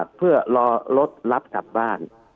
คุณหมอประเมินสถานการณ์บรรยากาศนอกสภาหน่อยได้ไหมคะ